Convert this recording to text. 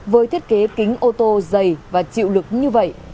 với thiết kế kính ô tô dày và chịu lực như vậy